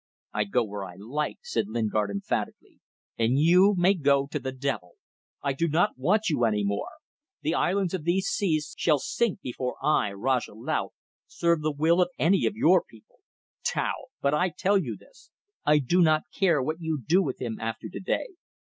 "I go where I like," said Lingard, emphatically, "and you may go to the devil; I do not want you any more. The islands of these seas shall sink before I, Rajah Laut, serve the will of any of your people. Tau? But I tell you this: I do not care what you do with him after to day.